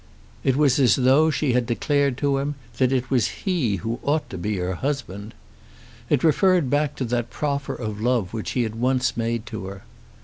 It was as though she had declared to him that it was he who ought to be her husband. It referred back to that proffer of love which he had once made to her.